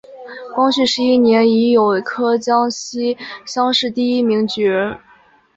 光绪十一年乙酉科江西乡试第一名举人。